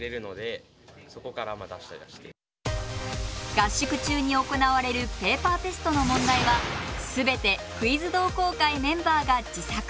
合宿中に行われるペーパーテストの問題はすべてクイズ同好会メンバーが自作した問題。